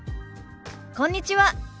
こんにちは。